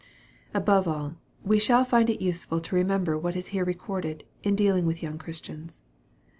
Above all, we shall find it useful to remember what is here recorded, in dealing with young Christians.